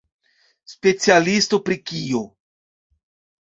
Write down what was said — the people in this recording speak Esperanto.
Specialisto pri kio?